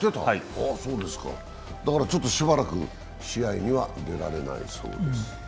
ちょっとしばらく試合には出られないそうです。